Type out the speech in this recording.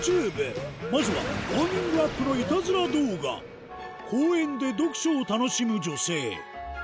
まずはウォーミングアップの公園で読書を楽しむ女性